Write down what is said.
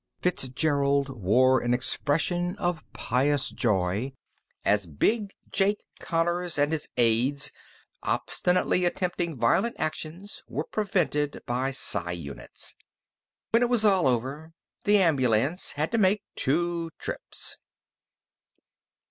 Fitzgerald wore an expression of pious joy as Big Jake Connors and his aides, obstinately attempting violent actions, were prevented by psi units. When it was all over, the ambulance had to make two trips.